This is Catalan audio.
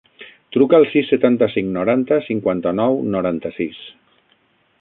Truca al sis, setanta-cinc, noranta, cinquanta-nou, noranta-sis.